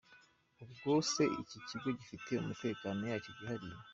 Ubwo se iki kigo gifite amategeko yacyo yihariye ?".